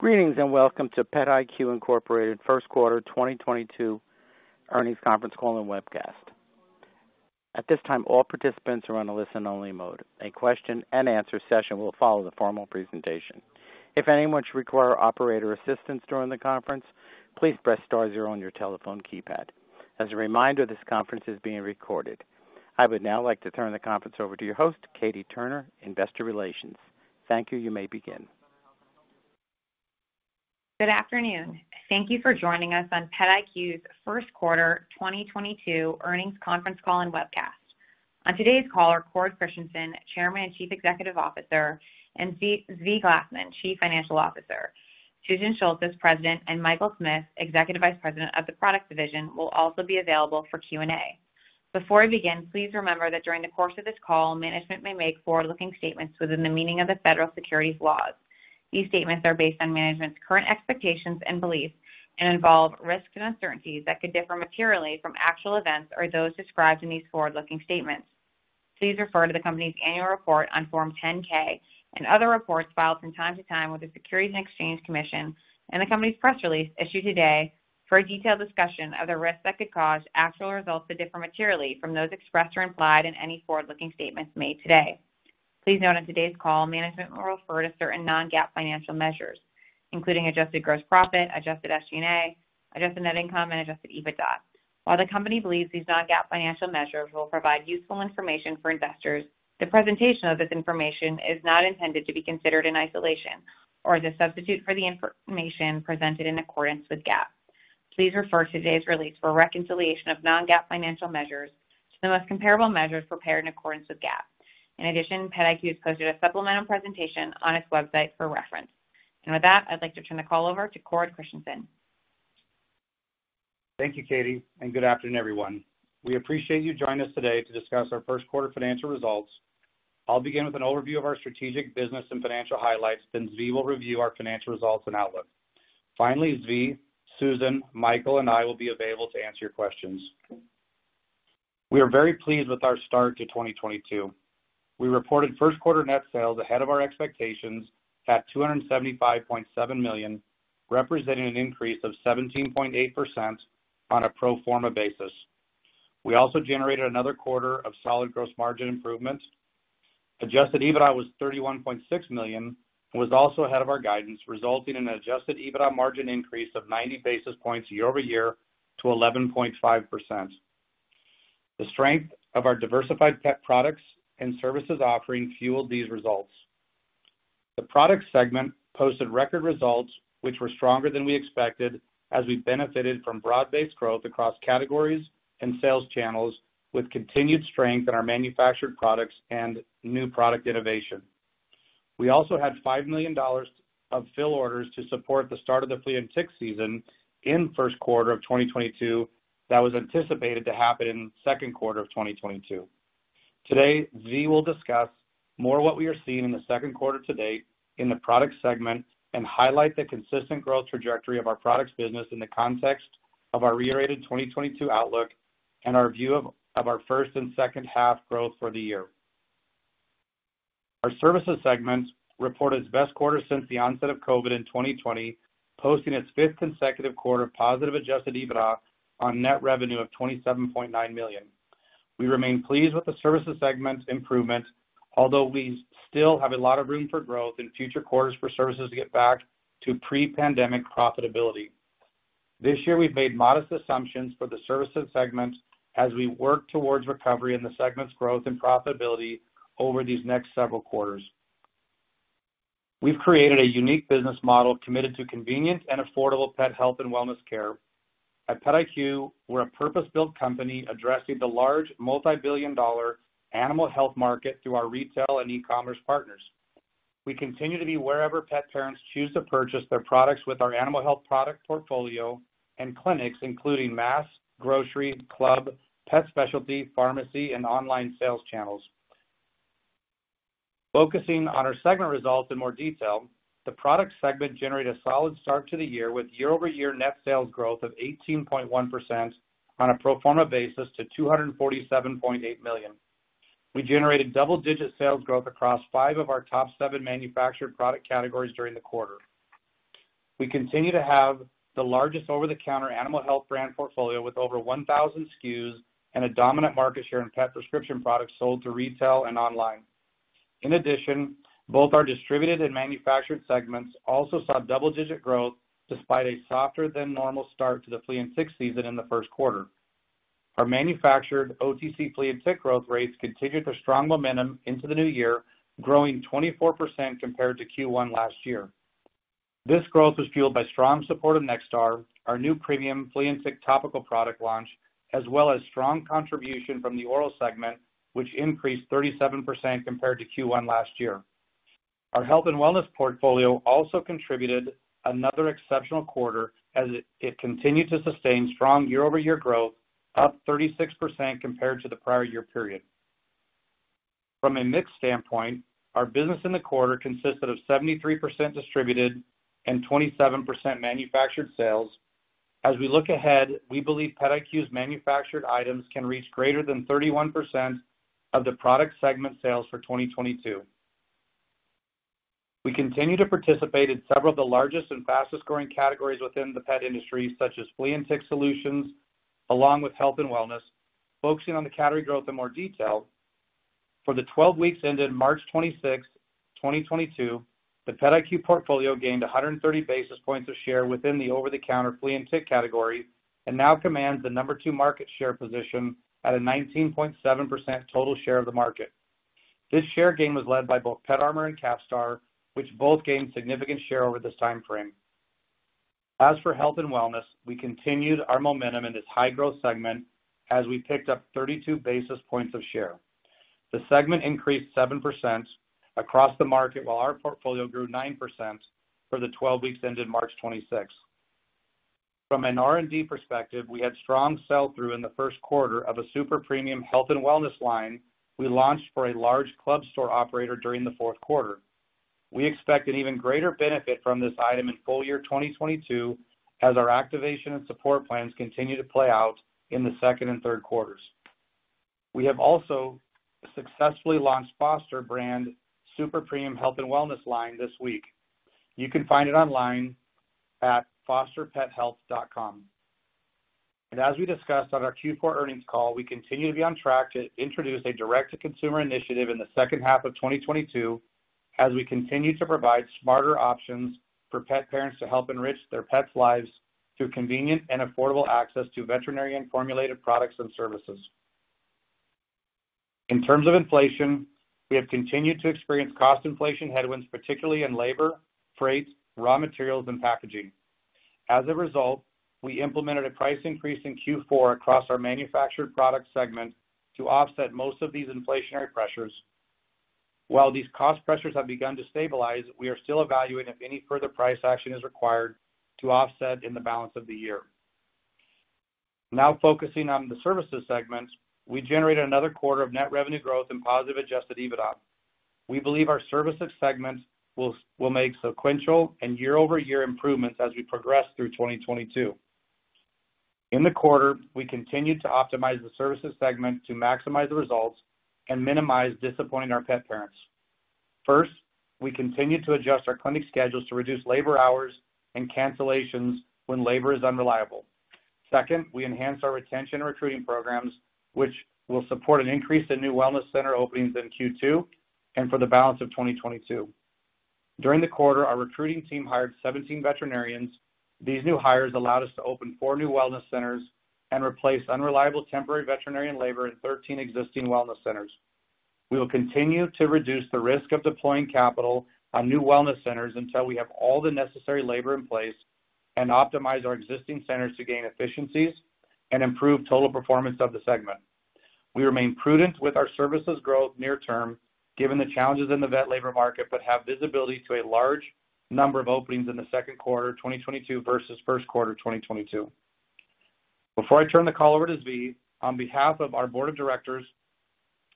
Greetings, and welcome to PetIQ, Inc. First Quarter 2022 Earnings Conference Call and Webcast. At this time, all participants are on a listen-only mode. A question-and-answer session will follow the formal presentation. If anyone should require operator assistance during the conference, please press star zero on your telephone keypad. As a reminder, this conference is being recorded. I would now like to turn the conference over to your host, Katie Turner, Investor Relations. Thank you. You may begin. Good afternoon. Thank you for joining us on PetIQ's First Quarter 2022 Earnings Conference Call and webcast. On today's call are Cord Christensen, Chairman and Chief Executive Officer, and Zvi Glasman, Chief Financial Officer. Susan Sholtis, as President, and Michael Smith, Executive Vice President of the Products Division, will also be available for Q&A. Before we begin, please remember that during the course of this call, management may make forward-looking statements within the meaning of the federal securities laws. These statements are based on management's current expectations and beliefs and involve risks and uncertainties that could differ materially from actual events or those described in these forward-looking statements. Please refer to the company's annual report on Form 10-K and other reports filed from time to time with the Securities and Exchange Commission and the company's press release issued today for a detailed discussion of the risks that could cause actual results to differ materially from those expressed or implied in any forward-looking statements made today. Please note, on today's call, management will refer to certain non-GAAP financial measures, including adjusted gross profit, adjusted SG&A, adjusted net income, and adjusted EBITDA. While the company believes these non-GAAP financial measures will provide useful information for investors, the presentation of this information is not intended to be considered in isolation or as a substitute for the information presented in accordance with GAAP. Please refer to today's release for a reconciliation of non-GAAP financial measures to the most comparable measures prepared in accordance with GAAP. In addition, PetIQ has posted a supplemental presentation on its website for reference. With that, I'd like to turn the call over to Cord Christensen. Thank you, Katie, and good afternoon, everyone. We appreciate you joining us today to discuss our first quarter financial results. I'll begin with an overview of our strategic business and financial highlights, then Zvi will review our financial results and outlook. Finally, Zvi, Susan, Michael, and I will be available to answer your questions. We are very pleased with our start to 2022. We reported first quarter net sales ahead of our expectations at $275.7 million, representing an increase of 17.8% on a pro forma basis. We also generated another quarter of solid gross margin improvements. Adjusted EBITDA was $31.6 million and was also ahead of our guidance, resulting in an adjusted EBITDA margin increase of 90 basis points year-over-year to 11.5%. The strength of our diversified pet products and services offering fueled these results. The products segment posted record results which were stronger than we expected as we benefited from broad-based growth across categories and sales channels with continued strength in our manufactured products and new product innovation. We also had $5 million of fill orders to support the start of the flea and tick season in first quarter of 2022 that was anticipated to happen in second quarter of 2022. Today, Zvi will discuss more what we are seeing in the second quarter to date in the product segment and highlight the consistent growth trajectory of our products business in the context of our re-rated 2022 outlook and our view of our first and second half growth for the year. Our services segment reported its best quarter since the onset of COVID in 2020, posting its fifth consecutive quarter of positive adjusted EBITDA on net revenue of $27.9 million. We remain pleased with the services segment's improvements, although we still have a lot of room for growth in future quarters for services to get back to pre-pandemic profitability. This year, we've made modest assumptions for the services segment as we work towards recovery in the segment's growth and profitability over these next several quarters. We've created a unique business model committed to convenience and affordable pet health and wellness care. At PetIQ, we're a purpose-built company addressing the large multibillion-dollar animal health market through our retail and e-commerce partners. We continue to be wherever pet parents choose to purchase their products with our animal health product portfolio and clinics, including mass, grocery, club, pet specialty, pharmacy, and online sales channels. Focusing on our segment results in more detail, the product segment generated a solid start to the year with year-over-year net sales growth of 18.1% on a pro forma basis to $247.8 million. We generated double-digit sales growth across five of our top seven manufactured product categories during the quarter. We continue to have the largest over-the-counter animal health brand portfolio with over 1,000 SKUs and a dominant market share in pet prescription products sold to retail and online. In addition, both our distributed and manufactured segments also saw double-digit growth despite a softer than normal start to the flea and tick season in the first quarter. Our manufactured OTC flea and tick growth rates continued their strong momentum into the new year, growing 24% compared to Q1 last year. This growth was fueled by strong support of NextStar, our new premium flea and tick topical product launch, as well as strong contribution from the oral segment, which increased 37% compared to Q1 last year. Our health and wellness portfolio also contributed another exceptional quarter as it continued to sustain strong year-over-year growth, up 36% compared to the prior year period. From a mix standpoint, our business in the quarter consisted of 73% distributed and 27% manufactured sales. As we look ahead, we believe PetIQ's manufactured items can reach greater than 31% of the product segment sales for 2022. We continue to participate in several of the largest and fastest-growing categories within the pet industry, such as flea and tick solutions, along with health and wellness. Focusing on the category growth in more detail. For the 12 weeks ended 26 March 2022, the PetIQ portfolio gained 130 basis points of share within the over-the-counter flea and tick category and now commands the number two market share position at a 19.7% total share of the market. This share gain was led by both PetArmor and Capstar, which both gained significant share over this time frame. As for health and wellness, we continued our momentum in this high-growth segment as we picked up 32 basis points of share. The segment increased 7% across the market, while our portfolio grew 9% for the 12 weeks ended 26 March. From an R&D perspective, we had strong sell-through in the first quarter of a super premium health and wellness line we launched for a large club store operator during the fourth quarter. We expect an even greater benefit from this item in full year 2022, as our activation and support plans continue to play out in the second and third quarters. We have also successfully launched Furtify brand super premium health and wellness line this week. You can find it online at [fosterpethealth.com]. As we discussed on our Q4 earnings call, we continue to be on track to introduce a direct-to-consumer initiative in the second half of 2022, as we continue to provide smarter options for pet parents to help enrich their pets' lives through convenient and affordable access to veterinarian-formulated products and services. In terms of inflation, we have continued to experience cost inflation headwinds, particularly in labor, freight, raw materials, and packaging. As a result, we implemented a price increase in Q4 across our manufactured product segment to offset most of these inflationary pressures. While these cost pressures have begun to stabilize, we are still evaluating if any further price action is required to offset in the balance of the year. Now focusing on the services segment, we generated another quarter of net revenue growth and positive adjusted EBITDA. We believe our services segment will make sequential and year-over-year improvements as we progress through 2022. In the quarter, we continued to optimize the services segment to maximize the results and minimize disappointing our pet parents. First, we continued to adjust our clinic schedules to reduce labor hours and cancellations when labor is unreliable. Second, we enhanced our retention recruiting programs, which will support an increase in new wellness center openings in Q2 and for the balance of 2022. During the quarter, our recruiting team hired 17 veterinarians. These new hires allowed us to open four new wellness centers and replace unreliable temporary veterinarian labor in 13 existing wellness centers. We will continue to reduce the risk of deploying capital on new wellness centers until we have all the necessary labor in place and optimize our existing centers to gain efficiencies and improve total performance of the segment. We remain prudent with our services growth near term, given the challenges in the vet labor market, but have visibility to a large number of openings in the second quarter 2022 versus first quarter 2022. Before I turn the call over to Zvi, on behalf of our board of directors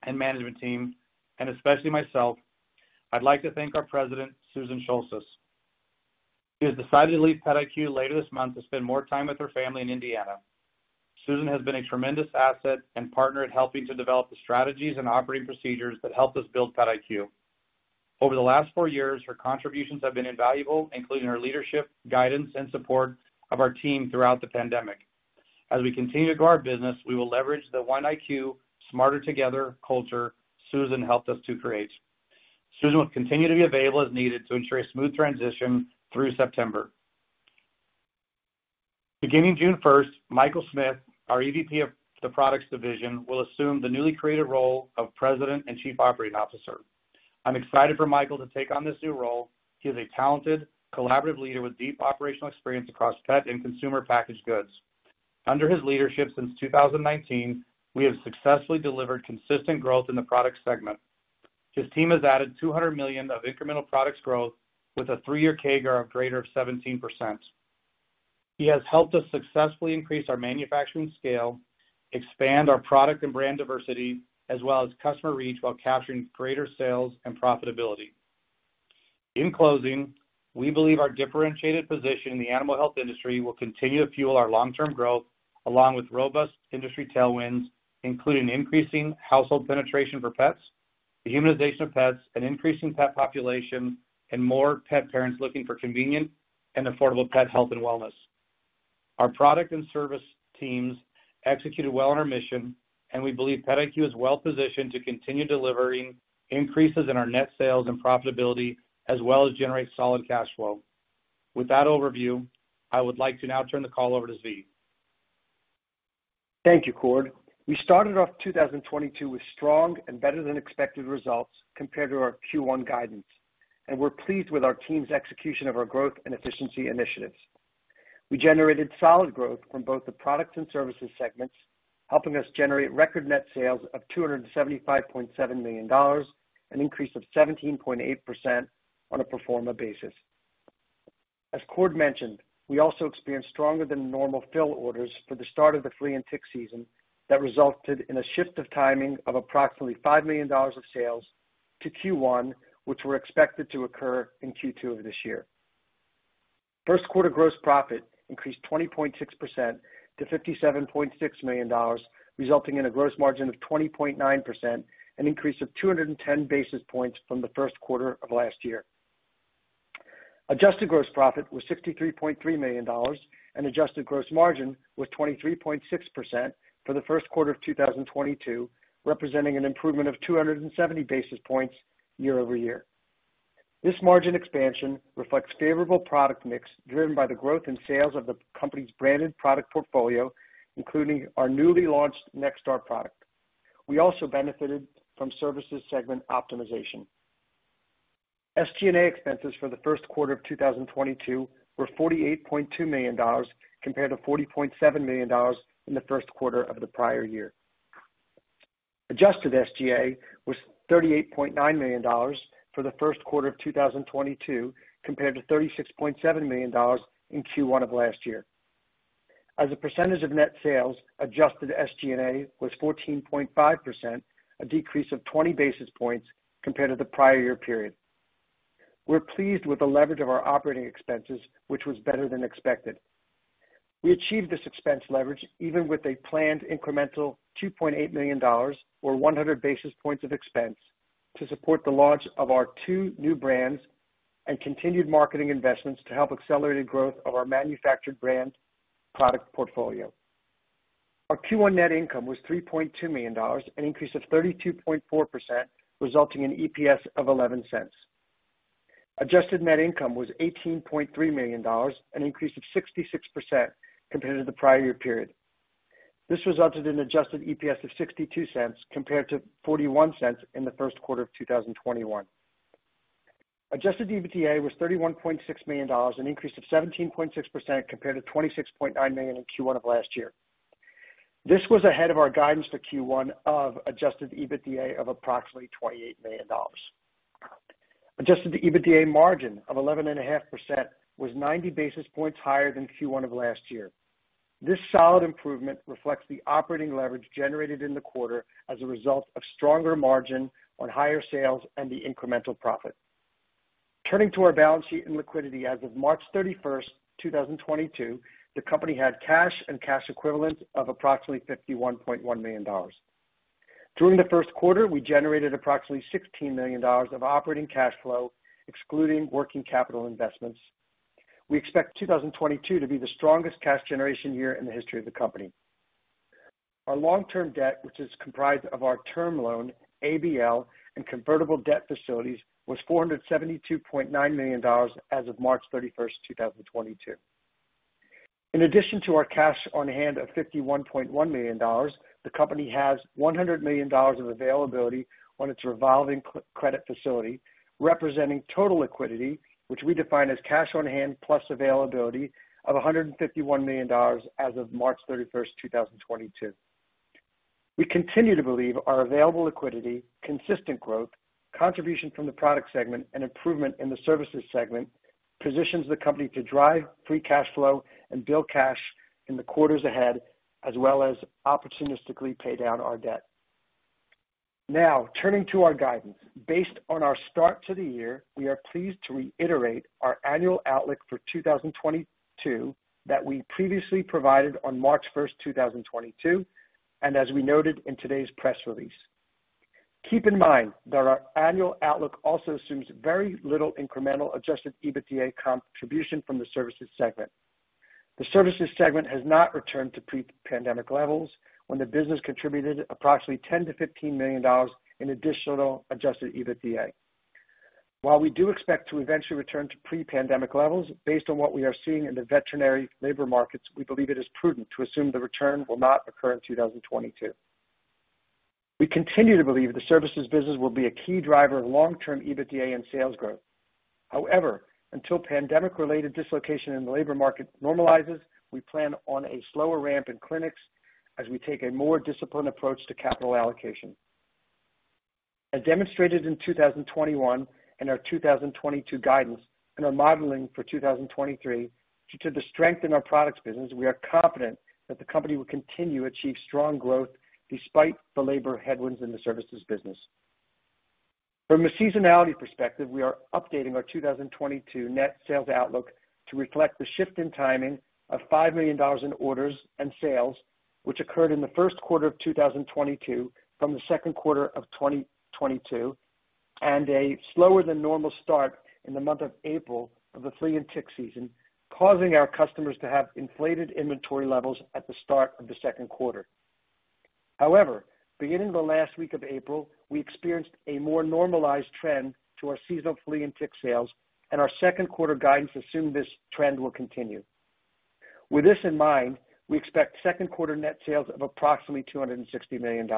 and management team, and especially myself, I'd like to thank our President, Susan Sholtis. She has decided to leave PetIQ later this month to spend more time with her family in Indiana. Susan has been a tremendous asset and partner in helping to develop the strategies and operating procedures that helped us build PetIQ. Over the last four years, her contributions have been invaluable, including her leadership, guidance, and support of our team throughout the pandemic. As we continue to grow our business, we will leverage the One IQ Smarter Together culture Susan helped us to create. Susan will continue to be available as needed to ensure a smooth transition through September. Beginning 1st June, Michael Smith, our EVP of the Products Division, will assume the newly created role of President and Chief Operating Officer. I'm excited for Michael to take on this new role. He is a talented, collaborative leader with deep operational experience across pet and consumer packaged goods. Under his leadership since 2019, we have successfully delivered consistent growth in the product segment. His team has added $200 million of incremental products growth with a three-year CAGR of greater than 17%. He has helped us successfully increase our manufacturing scale, expand our product and brand diversity, as well as customer reach while capturing greater sales and profitability. In closing, we believe our differentiated position in the animal health industry will continue to fuel our long-term growth, along with robust industry tailwinds, including increasing household penetration for pets, the humanization of pets, an increase in pet population, and more pet parents looking for convenient and affordable pet health and wellness. Our product and service teams executed well on our mission, and we believe PetIQ is well positioned to continue delivering increases in our net sales and profitability, as well as generate solid cash flow. With that overview, I would like to now turn the call over to Zvi. Thank you, Cord. We started off 2022 with strong and better than expected results compared to our Q1 guidance, and we're pleased with our team's execution of our growth and efficiency initiatives. We generated solid growth from both the products and services segments, helping us generate record net sales of $275.7 million, an increase of 17.8% on a pro forma basis. As Cord mentioned, we also experienced stronger than normal fill orders for the start of the flea and tick season that resulted in a shift of timing of approximately $5 million of sales to Q1, which were expected to occur in Q2 of this year. First quarter gross profit increased 20.6% to $57.6 million, resulting in a gross margin of 20.9%, an increase of 210 basis points from the first quarter of last year. Adjusted gross profit was $63.3 million, and adjusted gross margin was 23.6% for the first quarter of 2022, representing an improvement of 270 basis points year-over-year. This margin expansion reflects favorable product mix driven by the growth in sales of the company's branded product portfolio, including our newly launched NextStar product. We also benefited from services segment optimization. SG&A expenses for the first quarter of 2022 were $48.2 million compared to $40.7 million in the first quarter of the prior year. Adjusted SG&A was $38.9 million for the first quarter of 2022, compared to $36.7 million in Q1 of last year. As a percentage of net sales, adjusted SG&A was 14.5%, a decrease of 20 basis points compared to the prior year period. We're pleased with the leverage of our operating expenses, which was better than expected. We achieved this expense leverage even with a planned incremental $2.8 million or 100 basis points of expense to support the launch of our two new brands and continued marketing investments to help accelerated growth of our manufactured brand product portfolio. Our Q1 net income was $3.2 million, an increase of 32.4%, resulting in EPS of $0.11. Adjusted net income was $18.3 million, an increase of 66% compared to the prior year period. This resulted in adjusted EPS of $0.62 compared to $0.41 in the first quarter of 2021. Adjusted EBITDA was $31.6 million, an increase of 17.6% compared to $26.9 million in Q1 of last year. This was ahead of our guidance for Q1 of adjusted EBITDA of approximately $28 million. Adjusted EBITDA margin of 11.5% was 90 basis points higher than Q1 of last year. This solid improvement reflects the operating leverage generated in the quarter as a result of stronger margin on higher sales and the incremental profit. Turning to our balance sheet and liquidity as of 31 March 2022, the company had cash and cash equivalents of approximately $51.1 million. During the first quarter, we generated approximately $16 million of operating cash flow, excluding working capital investments. We expect 2022 to be the strongest cash generation year in the history of the company. Our long-term debt, which is comprised of our term loan, ABL, and convertible debt facilities, was $472.9 million as of 31 March 2022. In addition to our cash on hand of $51.1 million, the company has $100 million of availability on its revolving credit facility, representing total liquidity, which we define as cash on hand plus availability of $151 million as of 31 March 2022. We continue to believe our available liquidity, consistent growth, contribution from the product segment, and improvement in the services segment positions the company to drive free cash flow and build cash in the quarters ahead, as well as opportunistically pay down our debt. Now, turning to our guidance. Based on our start to the year, we are pleased to reiterate our annual outlook for 2022 that we previously provided on 1 March 2022, and as we noted in today's press release. Keep in mind that our annual outlook also assumes very little incremental adjusted EBITDA contribution from the services segment. The services segment has not returned to pre-pandemic levels when the business contributed approximately $10-$15 million in additional adjusted EBITDA. While we do expect to eventually return to pre-pandemic levels based on what we are seeing in the veterinary labor markets, we believe it is prudent to assume the return will not occur in 2022. We continue to believe the services business will be a key driver of long-term EBITDA and sales growth. However, until pandemic-related dislocation in the labor market normalizes, we plan on a slower ramp in clinics as we take a more disciplined approach to capital allocation. As demonstrated in 2021 and our 2022 guidance and our modeling for 2023, due to the strength in our products business, we are confident that the company will continue to achieve strong growth despite the labor headwinds in the services business. From a seasonality perspective, we are updating our 2022 net sales outlook to reflect the shift in timing of $5 million in orders and sales, which occurred in the first quarter of 2022 from the second quarter of 2022, and a slower than normal start in the month of April of the flea and tick season, causing our customers to have inflated inventory levels at the start of the second quarter. However, beginning the last week of April, we experienced a more normalized trend to our seasonal flea and tick sales, and our second quarter guidance assume this trend will continue. With this in mind, we expect second quarter net sales of approximately $260 million.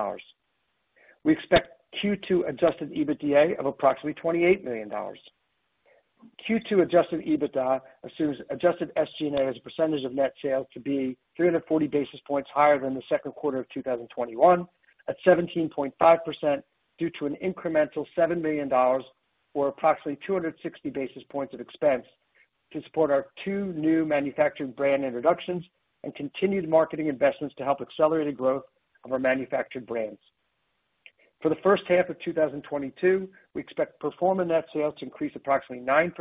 We expect Q2 adjusted EBITDA of approximately $28 million. Q2 adjusted EBITDA assumes adjusted SG&A as a percentage of net sales to be 340 basis points higher than the second quarter of 2021, at 17.5% due to an incremental $7 million or approximately 260 basis points of expense. To support our two new manufactured brand introductions and continued marketing investments to help accelerate the growth of our manufactured brands. For the first half of 2022, we expect pro forma net sales to increase approximately 9%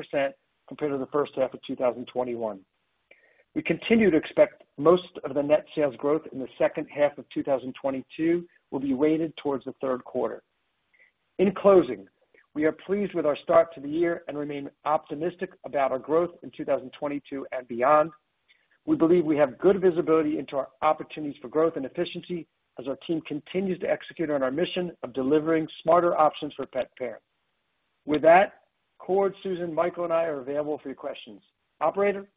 compared to the first half of 2021. We continue to expect most of the net sales growth in the second half of 2022 will be weighted towards the third quarter. In closing, we are pleased with our start to the year and remain optimistic about our growth in 2022 and beyond. We believe we have good visibility into our opportunities for growth and efficiency as our team continues to execute on our mission of delivering smarter options for pet parents. With that, Cord, Susan, Michael, and I are available for your questions. Operator?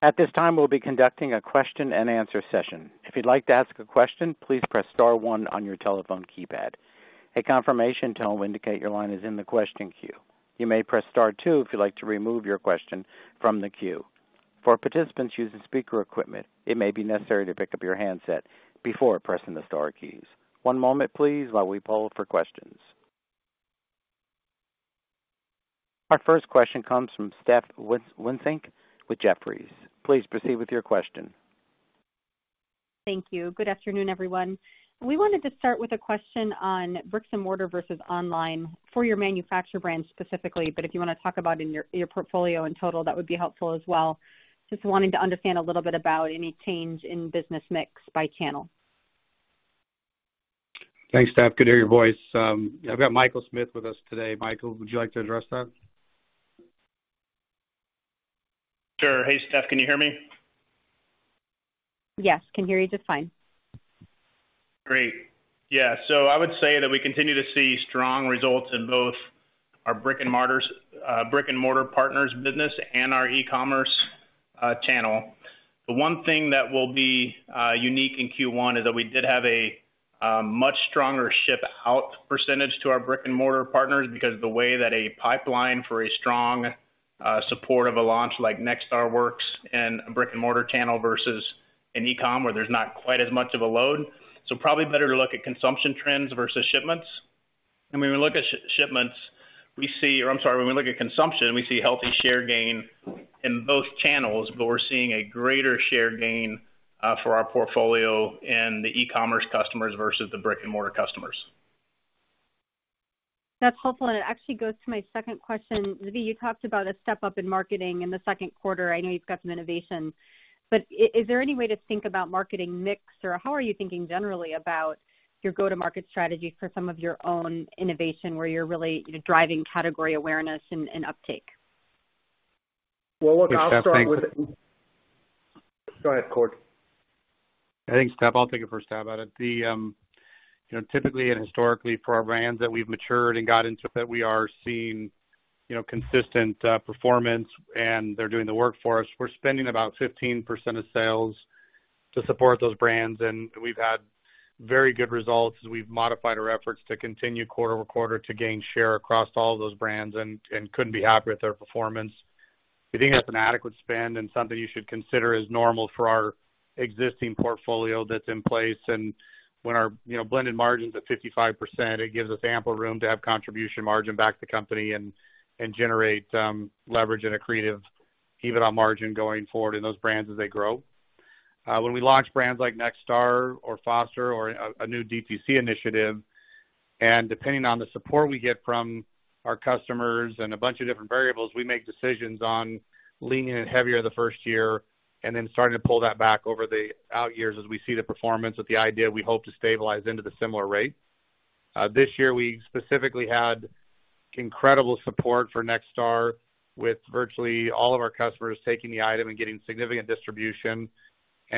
At this time, we'll be conducting a question-and-answer session. If you'd like to ask a question, please press star one on your telephone keypad. A confirmation tone will indicate your line is in the question queue. You may press star two if you'd like to remove your question from the queue. For participants using speaker equipment, it may be necessary to pick up your handset before pressing the star keys. One moment please while we poll for questions. Our first question comes from Stephanie Wissink with Jefferies. Please proceed with your question. Thank you. Good afternoon, everyone. We wanted to start with a question on bricks and mortar versus online for your manufacturer brands specifically, but if you wanna talk about in your portfolio in total, that would be helpful as well. Just wanting to understand a little bit about any change in business mix by channel. Thanks, Steph. Good to hear your voice. I've got Michael Smith with us today. Michael, would you like to address that? Sure. Hey, Steph, can you hear me? Yes, can hear you just fine. Great. Yeah, I would say that we continue to see strong results in both our brick-and-mortar partners business and our e-commerce channel. The one thing that will be unique in Q1 is that we did have a much stronger ship out percentage to our brick-and-mortar partners because the way that a pipeline for a strong support of a launch like NextStar works in a brick-and-mortar channel versus an e-com, where there's not quite as much of a load. Probably better to look at consumption trends versus shipments. When we look at consumption, we see healthy share gain in both channels, but we're seeing a greater share gain for our portfolio in the e-commerce customers versus the brick-and-mortar customers. That's helpful, and it actually goes to my second question. Zvi Glasman, you talked about a step-up in marketing in the second quarter. I know you've got some innovations. Is there any way to think about marketing mix, or how are you thinking generally about your go-to-market strategy for some of your own innovation where you're really driving category awareness and uptake? Well, look, I'll start with it. Go ahead, Cord. Thanks, Steph. I'll take a first stab at it. You know, typically and historically, for our brands that we've matured and got into that we are seeing, you know, consistent performance, and they're doing the work for us. We're spending about 15% of sales to support those brands, and we've had very good results as we've modified our efforts to continue quarter over quarter to gain share across all of those brands and couldn't be happier with their performance. We think that's an adequate spend and something you should consider as normal for our existing portfolio that's in place. When our, you know, blended margin's at 55%, it gives us ample room to have contribution margin back to the company and generate leverage and accretive EBITDA margin going forward in those brands as they grow. When we launch brands like NextStar or Furtify or a new DTC initiative, and depending on the support we get from our customers and a bunch of different variables, we make decisions on leaning in heavier the first year and then starting to pull that back over the out years as we see the performance with the idea we hope to stabilize into the similar rate. This year, we specifically had incredible support for NextStar, with virtually all of our customers taking the item and getting significant distribution.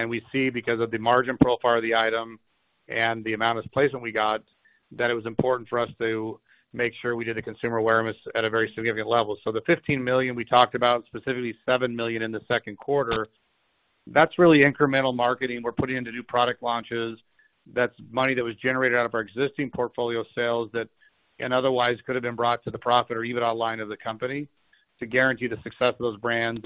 We see because of the margin profile of the item and the amount of placement we got, that it was important for us to make sure we did the consumer awareness at a very significant level. The $15 million we talked about, specifically $7 million in the second quarter, that's really incremental marketing we're putting into new product launches. That's money that was generated out of our existing portfolio sales that otherwise could have been brought to the bottom line of the company to guarantee the success of those brands.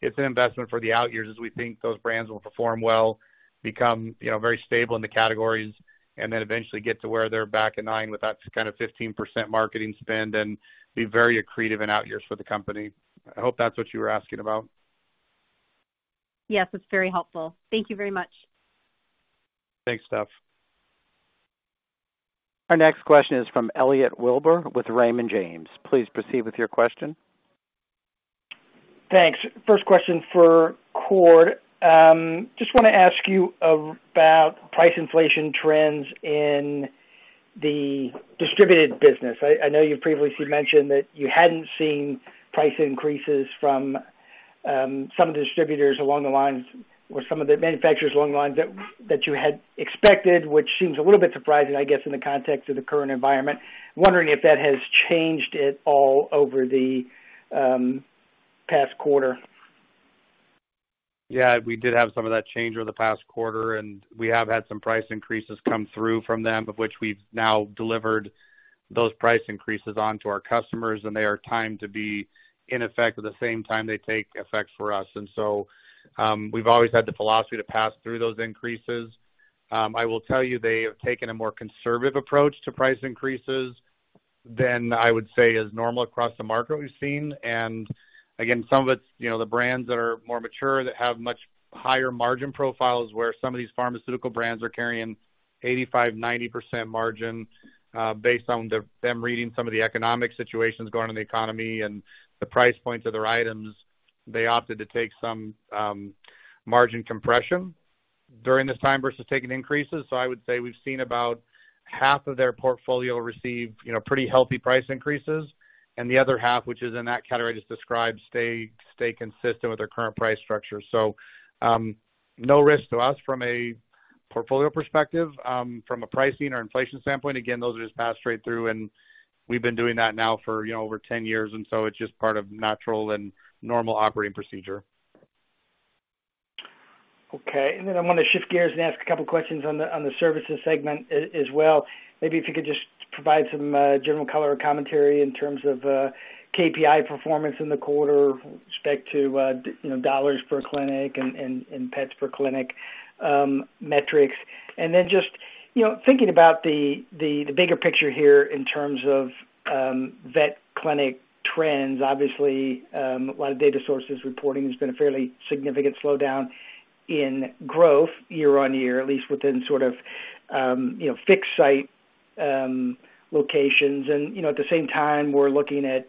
It's an investment for the out years as we think those brands will perform well, become, you know, very stable in the categories, and then eventually get to where they're back in line with that kind of 15% marketing spend and be very accretive in out years for the company. I hope that's what you were asking about. Yes, it's very helpful. Thank you very much. Thanks, Steph. Our next question is from Elliot Wilbur with Raymond James. Please proceed with your question. Thanks. First question for Cord. Just wanna ask you about price inflation trends in the distributed business. I know you previously mentioned that you hadn't seen price increases from some distributors along the lines or some of the manufacturers along the lines that you had expected, which seems a little bit surprising, I guess, in the context of the current environment. I'm wondering if that has changed at all over the past quarter. Yeah, we did have some of that change over the past quarter, and we have had some price increases come through from them, of which we've now delivered those price increases on to our customers, and they are timed to be in effect at the same time they take effect for us. We've always had the philosophy to pass through those increases. I will tell you, they have taken a more conservative approach to price increases than I would say is normal across the market we've seen. Again, some of it's, you know, the brands that are more mature that have much higher margin profiles, where some of these pharmaceutical brands are carrying 85%-90% margin, based on them reading some of the economic situations going on in the economy and the price points of their items. They opted to take some margin compression during this time versus taking increases. I would say we've seen about half of their portfolio receive, you know, pretty healthy price increases. The other half, which is in that category I just described, stay consistent with their current price structure. No risk to us from a portfolio perspective. From a pricing or inflation standpoint, again, those are just passed straight through, and we've been doing that now for, you know, over 10 years, and so it's just part of natural and normal operating procedure. Okay. I wanna shift gears and ask a couple questions on the services segment as well. Maybe if you could just provide some general color or commentary in terms of KPI performance in the quarter with respect to you know, dollars per clinic and pets per clinic metrics. Just you know, thinking about the bigger picture here in terms of vet clinic trends. Obviously, a lot of data sources reporting there's been a fairly significant slowdown in growth year-over-year, at least within sort of you know, fixed site locations. You know, at the same time, we're looking at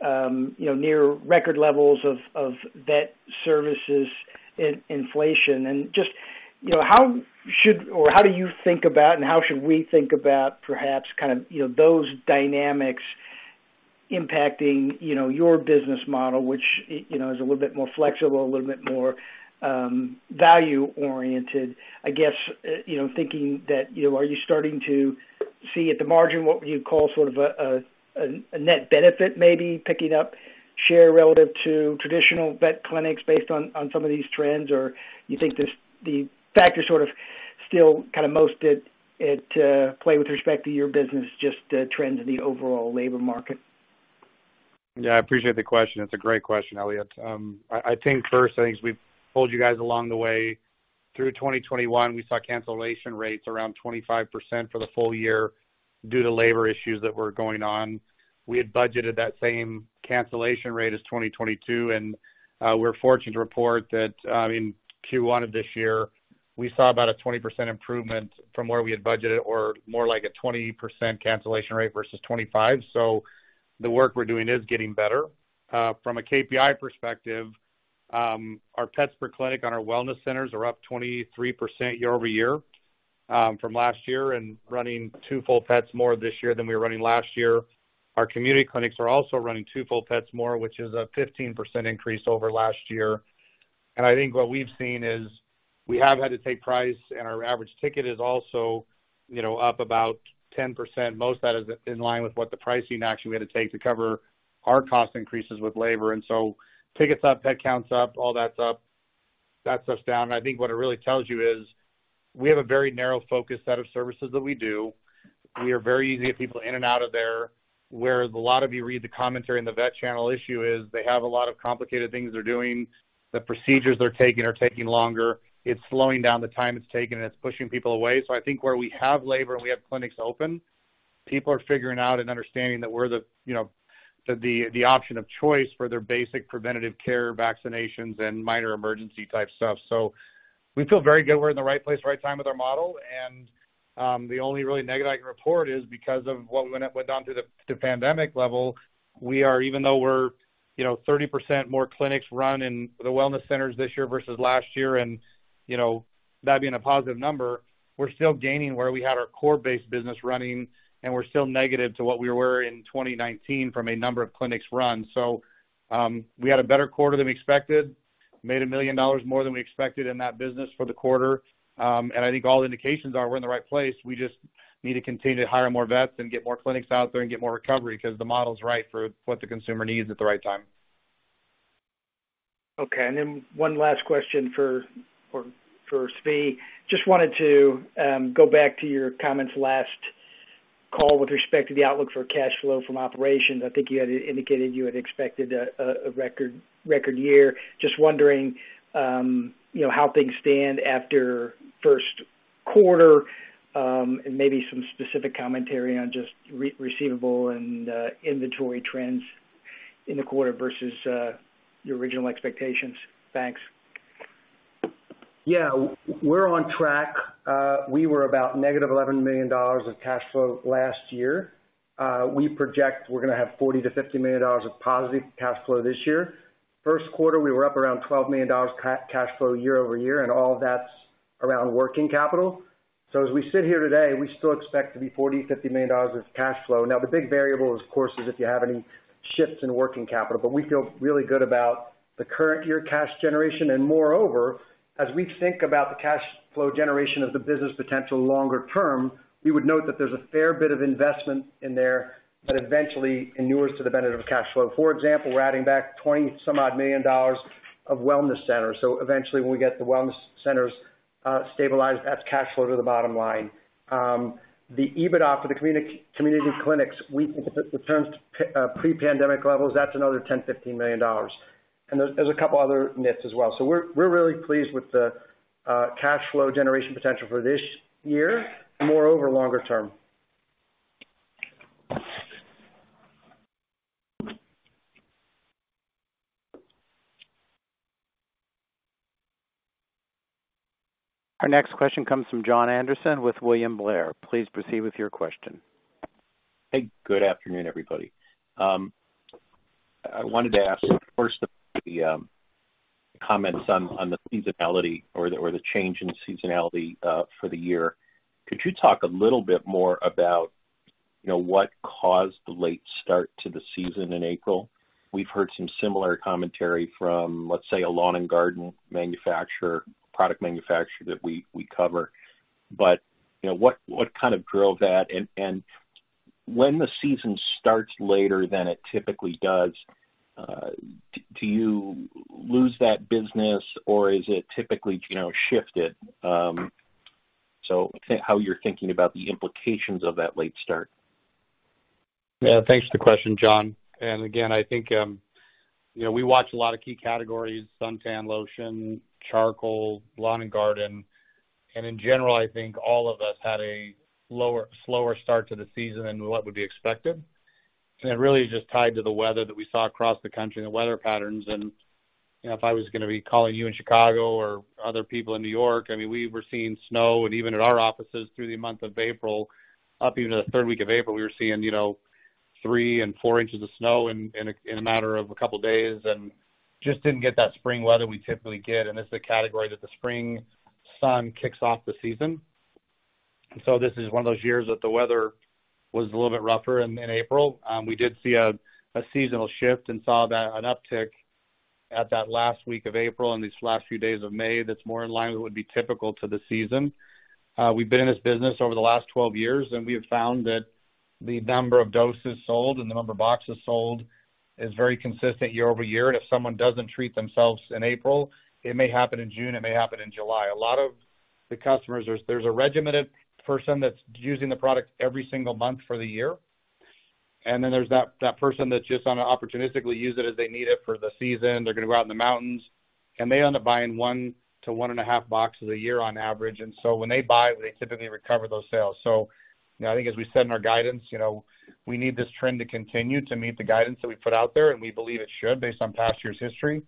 you know, near record levels of vet services inflation. Just, you know, how should or how do you think about and how should we think about perhaps kind of, you know, those dynamics impacting, you know, your business model, which, you know, is a little bit more flexible, a little bit more, value-oriented? I guess, you know, thinking that, you know, are you starting to see at the margin what you'd call sort of a net benefit, maybe picking up share relative to traditional vet clinics based on some of these trends? Or you think this, the factor sort of still kind of most at play with respect to your business, just the trends in the overall labor market? Yeah, I appreciate the question. It's a great question, Elliot. I think first as we've told you guys along the way through 2021, we saw cancellation rates around 25% for the full year due to labor issues that were going on. We had budgeted that same cancellation rate as 2022, and we're fortunate to report that in Q1 of this year, we saw about a 20% improvement from where we had budgeted or more like a 20% cancellation rate versus 25. The work we're doing is getting better. From a KPI perspective, our pets per clinic on our wellness centers are up 23% year-over-year from last year and running two full pets more this year than we were running last year. Our community clinics are also running two full vets more, which is a 15% increase over last year. I think what we've seen is we have had to take price, and our average ticket is also, you know, up about 10%. Most of that is in line with what the pricing action we had to take to cover our cost increases with labor. Tickets up, pet counts up, all that's up. That's upside. I think what it really tells you is we have a very narrow focus set of services that we do. We are very easy to get people in and out of there, whereas a lot of you read the commentary in the vet channel issue is they have a lot of complicated things they're doing. The procedures they're taking are taking longer. It's slowing down the time it's taking, and it's pushing people away. I think where we have labor and we have clinics open, people are figuring out and understanding that we're the, you know, the option of choice for their basic preventative care, vaccinations, and minor emergency type stuff. We feel very good we're in the right place, right time with our model. The only really negative I can report is because of what went down to the pandemic level, we are even though we're, you know, 30% more clinics run in the wellness centers this year versus last year, and, you know, that being a positive number, we're still gaining where we had our core base business running, and we're still negative to what we were in 2019 from a number of clinics run. We had a better quarter than we expected, made $1 million more than we expected in that business for the quarter. I think all indications are we're in the right place. We just need to continue to hire more vets and get more clinics out there and get more recovery because the model's right for what the consumer needs at the right time. Okay. One last question for Zvi Glasman. Just wanted to go back to your comments last call with respect to the outlook for cash flow from operations. I think you had indicated you had expected a record year. Just wondering, you know, how things stand after first quarter, and maybe some specific commentary on just receivable and inventory trends in the quarter versus your original expectations. Thanks. Yeah. We're on track. We were about -$11 million of cash flow last year. We project we're gonna have $40-$50 million of positive cash flow this year. First quarter, we were up around $12 million cash flow year-over-year, and all that's around working capital. As we sit here today, we still expect to be $40-$50 million of cash flow. Now, the big variable, of course, is if you have any shifts in working capital. We feel really good about the current year cash generation. Moreover, as we think about the cash flow generation of the business potential longer term, we would note that there's a fair bit of investment in there that eventually inures to the benefit of cash flow. For example, we're adding back $20-something million of wellness centers. Eventually, when we get the wellness centers stabilized, that's cash flow to the bottom line. The EBITDA for the community clinics, we think if it returns to pre-pandemic levels, that's another $10 million-$15 million. There's a couple other nips as well. We're really pleased with the cash flow generation potential for this year and moreover, longer term. Our next question comes from Jon Andersen with William Blair. Please proceed with your question. Hey, good afternoon, everybody. I wanted to ask, first, comments on the seasonality or the change in seasonality for the year. Could you talk a little bit more about, you know, what caused the late start to the season in April? We've heard some similar commentary from, let's say, a lawn and garden manufacturer, product manufacturer that we cover. You know, what kind of drove that? When the season starts later than it typically does, do you lose that business or is it typically, you know, shifted? How you're thinking about the implications of that late start. Yeah. Thanks for the question, Jon. Again, I think, you know, we watch a lot of key categories, suntan lotion, charcoal, lawn and garden. In general, I think all of us had a slower start to the season than what would be expected. It really just tied to the weather that we saw across the country and the weather patterns. You know, if I was gonna be calling you in Chicago or other people in New York, I mean, we were seeing snow, and even at our offices through the month of April, up into the third week of April, we were seeing, you know, three and four inches of snow in a matter of a couple days and just didn't get that spring weather we typically get. This is a category that the spring sun kicks off the season. This is one of those years that the weather was a little bit rougher in April. We did see a seasonal shift and saw an uptick in that last week of April and these last few days of May, that's more in line with what would be typical to the season. We've been in this business over the last 12 years, and we have found that the number of doses sold and the number of boxes sold is very consistent year-over-year. If someone doesn't treat themselves in April, it may happen in June, it may happen in July. A lot of the customers, there's a regimented person that's using the product every single month for the year. Then there's that person that's just gonna opportunistically use it as they need it for the season. They're gonna go out in the mountains, and they end up buying 1-1.5 boxes a year on average. When they buy, they typically recover those sales. You know, I think as we said in our guidance, you know, we need this trend to continue to meet the guidance that we put out there, and we believe it should based on past year's history.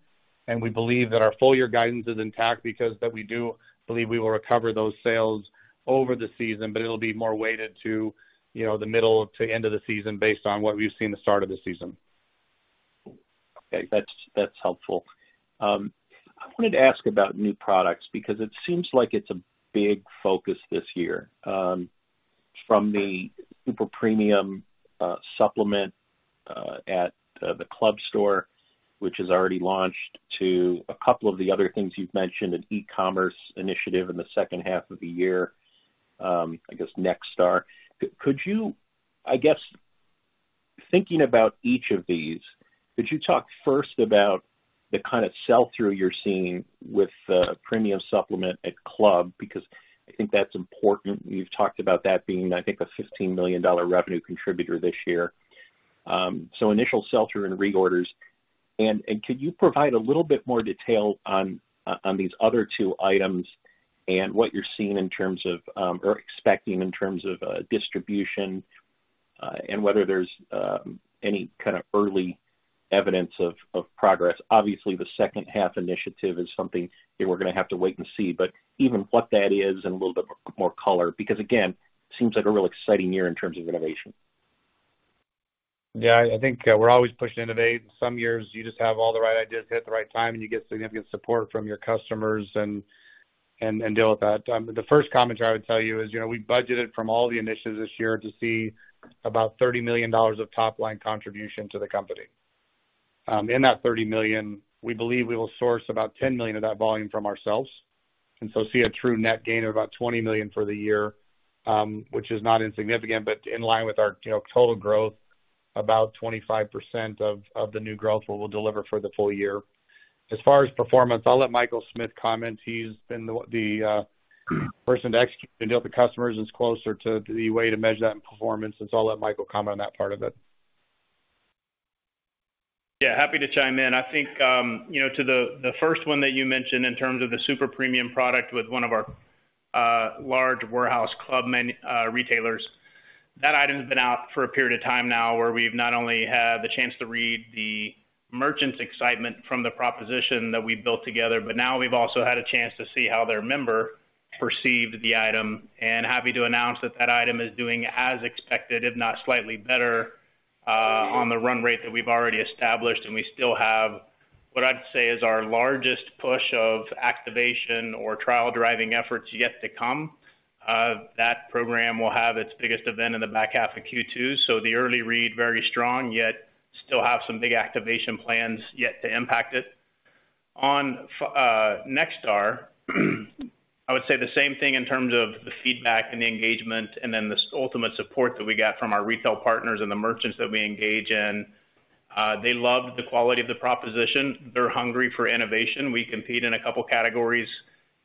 We believe that our full year guidance is intact because that we do believe we will recover those sales over the season, but it'll be more weighted to, you know, the middle to end of the season based on what we've seen the start of the season. Okay. That's helpful. I wanted to ask about new products because it seems like it's a big focus this year, from the super premium supplement at the club store, which has already launched to a couple of the other things you've mentioned, an e-commerce initiative in the second half of the year, I guess NextStar. I guess, thinking about each of these, could you talk first about the kind of sell-through you're seeing with the premium supplement at club? Because I think that's important. You've talked about that being, I think, a $15 million revenue contributor this year. Initial sell-through and reorders. Could you provide a little bit more detail on these other two items and what you're seeing in terms of or expecting in terms of distribution and whether there's any kind of early evidence of progress. Obviously, the second half initiative is something that we're gonna have to wait and see, but even what that is and a little bit more color, because again, seems like a real exciting year in terms of innovation. Yeah. I think we're always pushing to innovate. Some years you just have all the right ideas hit at the right time, and you get significant support from your customers and deal with that. But the first commentary I would tell you is, you know, we budgeted from all the initiatives this year to see about $30 million of top-line contribution to the company. In that $30 million, we believe we will source about $10 million of that volume from ourselves, and so see a true net gain of about $20 million for the year, which is not insignificant, but in line with our, you know, total growth, about 25% of the new growth what we'll deliver for the full year. As far as performance, I'll let Michael Smith comment. He's been the person to execute and deal with the customers and is closer to the way to measure that in performance. I'll let Michael comment on that part of it. Yeah, happy to chime in. I think, you know, to the first one that you mentioned in terms of the super premium product with one of our large warehouse club merchant retailers, that item's been out for a period of time now where we've not only had the chance to read the merchant's excitement from the proposition that we've built together, but now we've also had a chance to see how their members perceived the item and happy to announce that item is doing as expected, if not slightly better, on the run rate that we've already established. We still have what I'd say is our largest push of activation or trial-driving efforts yet to come. That program will have its biggest event in the back half of Q2. The early read, very strong, yet still have some big activation plans yet to impact it. On NextStar, I would say the same thing in terms of the feedback and the engagement and then the ultimate support that we got from our retail partners and the merchants that we engage in. They love the quality of the proposition. They're hungry for innovation. We compete in a couple categories,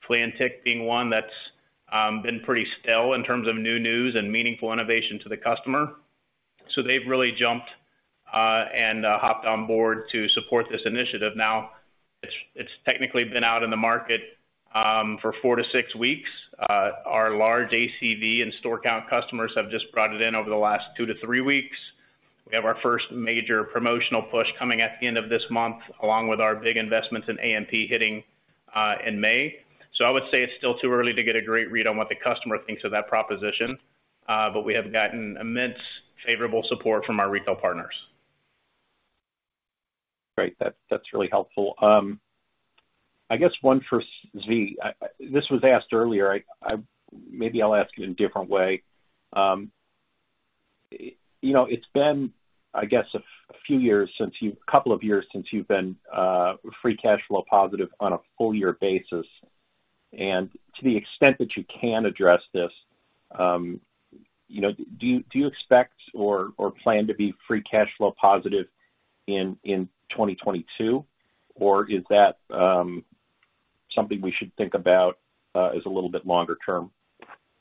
Advantix being one that's been pretty still in terms of new news and meaningful innovation to the customer. They've really jumped and hopped on board to support this initiative. Now, it's technically been out in the market for four to six weeks. Our large ACV and store count customers have just brought it in over the last two to three weeks. We have our first major promotional push coming at the end of this month, along with our big investments in AMP hitting in May. I would say it's still too early to get a great read on what the customer thinks of that proposition, but we have gotten immense favorable support from our retail partners. Great. That's really helpful. I guess one for Zvi. This was asked earlier. Maybe I'll ask it in a different way. You know, it's been a couple of years since you've been free cash flow positive on a full year basis. To the extent that you can address this, you know, do you expect or plan to be free cash flow positive in 2022? Or is that something we should think about as a little bit longer term,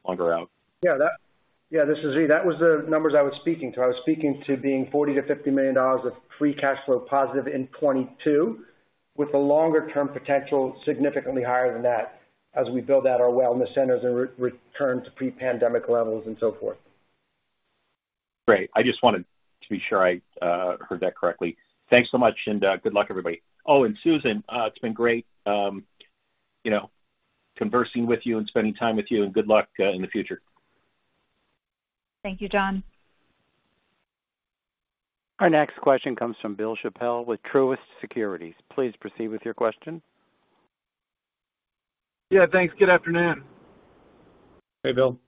longer out? This is Zvi. That was the numbers I was speaking to. I was speaking to being $40 million-$50 million of free cash flow positive in 2022, with the longer term potential significantly higher than that as we build out our wellness centers and return to pre-pandemic levels and so forth. Great. I just wanted to be sure I heard that correctly. Thanks so much, and good luck, everybody. Oh, and Susan, it's been great, you know, conversing with you and spending time with you, and good luck in the future. Thank you, John. Our next question comes from Bill Chappell with Truist Securities. Please proceed with your question. Yeah, thanks. Good afternoon. Hey, Bill.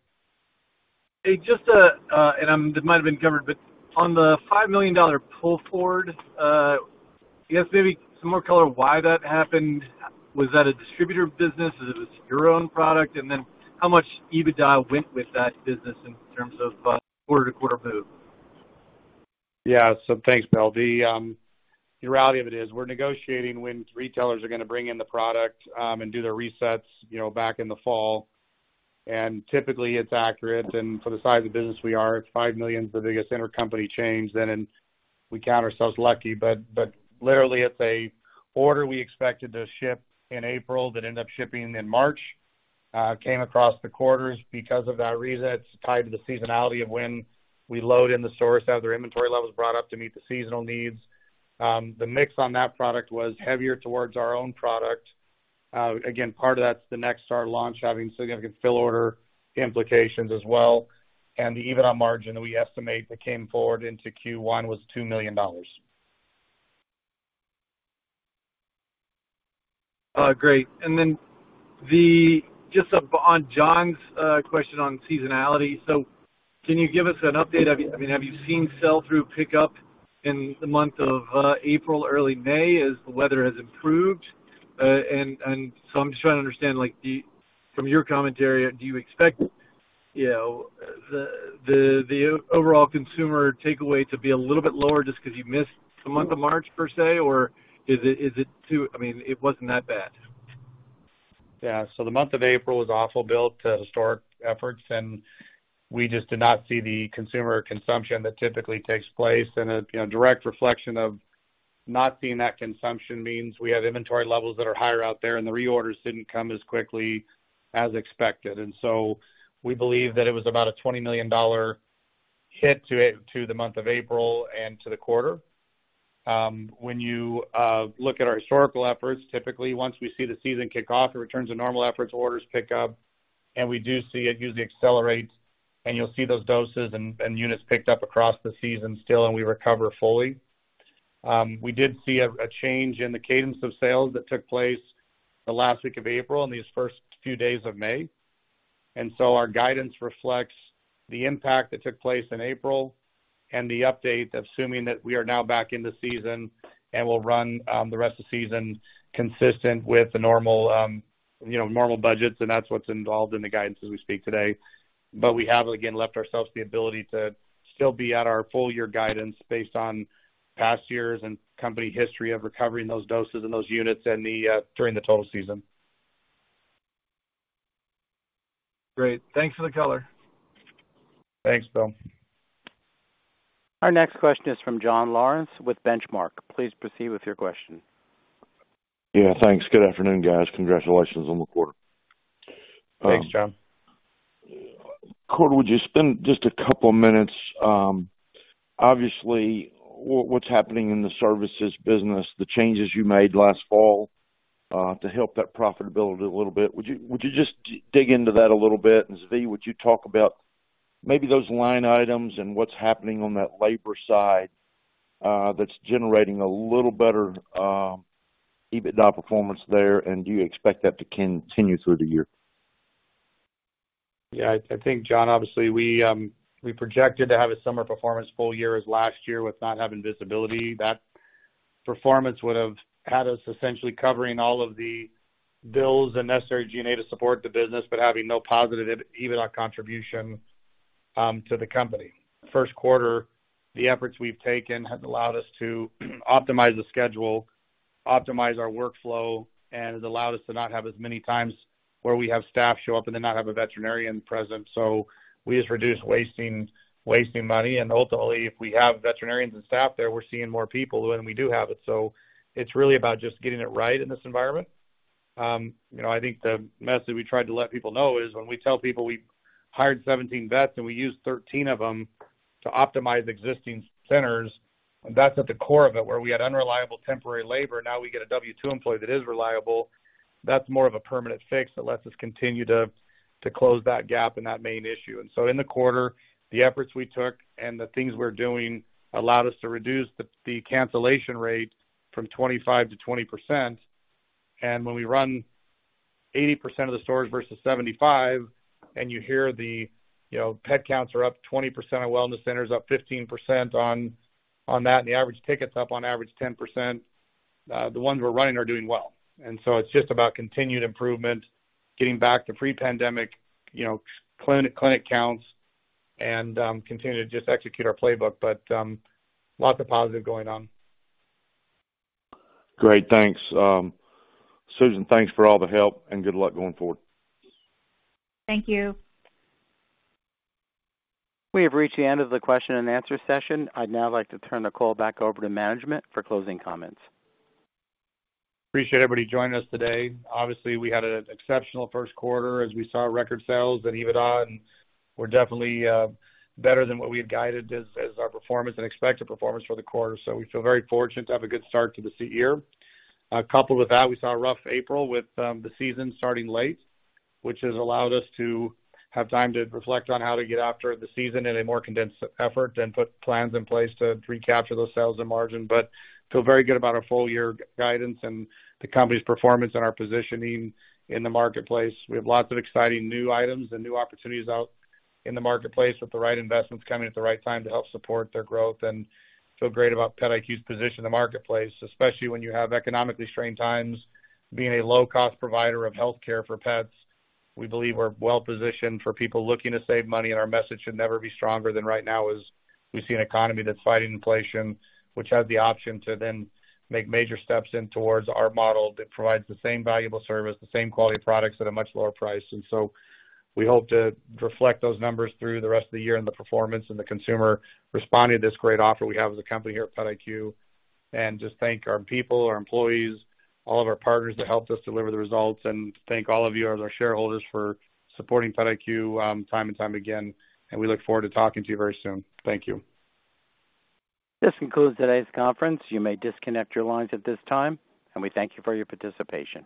Hey, just this might have been covered, but on the $5 million pull forward, I guess maybe some more color why that happened. Was that a distributor business or was it your own product? Then how much EBITDA went with that business in terms of quarter-to-quarter move? Yeah. Thanks, Bill. The reality of it is we're negotiating when retailers are gonna bring in the product and do their resets, you know, back in the fall. Typically, it's accurate. For the size of business we are, $5 million is the biggest intercompany change then, and we count ourselves lucky. Literally it's an order we expected to ship in April that ended up shipping in March, came across the quarters because of that reset. It's tied to the seasonality of when we load in the stores, have their inventory levels brought up to meet the seasonal needs. The mix on that product was heavier towards our own product. Again, part of that's the NextStar launch having significant fill order implications as well. The EBITDA margin we estimate that came forward into Q1 was $2 million. Great. Just up on John's question on seasonality. Can you give us an update? I mean, have you seen sell-through pick up in the month of April, early May, as the weather has improved? I'm just trying to understand, like, from your commentary, do you expect, you know, the overall consumer takeaway to be a little bit lower just 'cause you missed the month of March per se? Or, I mean, it wasn't that bad. Yeah. The month of April was awful, Bill, below historic levels, and we just did not see the consumer consumption that typically takes place. You know, direct reflection of not seeing that consumption means we have inventory levels that are higher out there and the reorders didn't come as quickly as expected. We believe that it was about a $20 million hit to the month of April and to the quarter. When you look at our historical levels, typically once we see the season kick off, it returns to normal levels, orders pick up, and we do see it usually accelerates. You'll see those doses and units picked up across the season still and we recover fully. We did see a change in the cadence of sales that took place the last week of April and these first few days of May. Our guidance reflects the impact that took place in April and the update assuming that we are now back into season and will run the rest of the season consistent with the normal, you know, normal budgets, and that's what's involved in the guidance as we speak today. We have again left ourselves the ability to still be at our full year guidance based on past years and company history of recovering those doses and those units during the total season. Great. Thanks for the color. Thanks, Bill. Our next question is from John Lawrence with Benchmark. Please proceed with your question. Yeah, thanks. Good afternoon, guys. Congratulations on the quarter. Thanks, John. Cord, would you spend just a couple minutes, obviously, what's happening in the services business, the changes you made last fall, to help that profitability a little bit. Would you just dig into that a little bit? Zvi, would you talk about maybe those line items and what's happening on that labor side, that's generating a little better EBITDA performance there, and do you expect that to continue through the year? Yeah. I think, John, obviously, we projected to have a subpar performance full year as last year with not having visibility. That performance would have had us essentially covering all of the bills and necessary G&A to support the business, but having no positive EBITDA contribution to the company. First quarter, the efforts we've taken have allowed us to optimize the schedule, optimize our workflow, and it allowed us to not have as many times where we have staff show up and then not have a veterinarian present. We just reduced wasting money. Ultimately, if we have veterinarians and staff there, we're seeing more people when we do have it. It's really about just getting it right in this environment. You know, I think the message we tried to let people know is when we tell people we hired 17 vets and we used 13 of them to optimize existing centers, and that's at the core of it, where we had unreliable temporary labor, now we get a W-2 employee that is reliable. That's more of a permanent fix that lets us continue to close that gap and that main issue. In the quarter, the efforts we took and the things we're doing allowed us to reduce the cancellation rate from 25% to 20%. When we run 80% of the stores versus 75%, and you hear the, you know, pet counts are up 20%, our wellness center is up 15% on that, and the average ticket's up on average 10%, the ones we're running are doing well. It's just about continued improvement, getting back to pre-pandemic, you know, clinic counts and continuing to just execute our playbook. But lots of positive going on. Great. Thanks, Susan, thanks for all the help, and good luck going forward. Thank you. We have reached the end of the question-and-answer session. I'd now like to turn the call back over to management for closing comments. Appreciate everybody joining us today. Obviously, we had an exceptional first quarter as we saw record sales and EBITDA, and we're definitely better than what we had guided as our performance and expected performance for the quarter. We feel very fortunate to have a good start to this year. Coupled with that, we saw a rough April with the season starting late, which has allowed us to have time to reflect on how to get after the season in a more condensed effort and put plans in place to recapture those sales and margin. We feel very good about our full year guidance and the company's performance and our positioning in the marketplace. We have lots of exciting new items and new opportunities out in the marketplace with the right investments coming at the right time to help support their growth. Feel great about PetIQ's position in the marketplace, especially when you have economically strained times. Being a low-cost provider of healthcare for pets, we believe we're well-positioned for people looking to save money, and our message should never be stronger than right now as we see an economy that's fighting inflation, which has the option to then make major steps in towards our model that provides the same valuable service, the same quality products at a much lower price. We hope to reflect those numbers through the rest of the year and the performance and the consumer responding to this great offer we have as a company here at PetIQ. Just thank our people, our employees, all of our partners that helped us deliver the results. Thank all of you as our shareholders for supporting PetIQ, time and time again, and we look forward to talking to you very soon. Thank you. This concludes today's conference. You may disconnect your lines at this time, and we thank you for your participation.